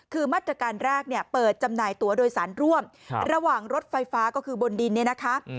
คือมาตรการแรกเนี่ยเปิดจำหน่ายตัวโดยสารร่วมระหว่างรถไฟฟ้าก็คือบนดินเนี่ยนะคะ